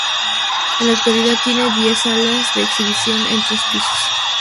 En la actualidad, tiene diez salas de exhibición en tres pisos.